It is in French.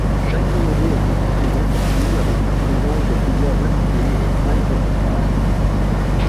Chaque numéro est constitué d'interviews avec la présence de plusieurs invités et cinq reportages.